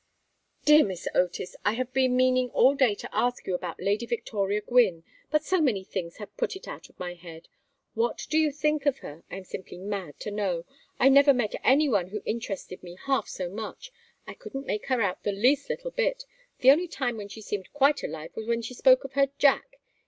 "Dear Miss Otis! I have been meaning all day to ask you about Lady Victoria Gwynne, but so many things have put it out of my head. What do you think of her? I am simply mad to know. I never met any one who interested me half so much; I couldn't make her out the least little bit. The only time when she seemed quite alive was when she spoke of her Jack.